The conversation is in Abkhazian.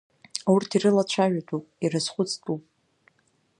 Урҭ ирылацәажәатәуп, ирызхәыцтәуп.